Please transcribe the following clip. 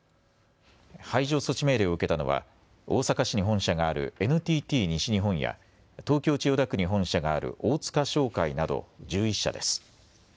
排除措置命令を受けたのは大阪市に本社があるＮＴＴ西日本や東京千代田区に本社がある大塚商会など１１社です。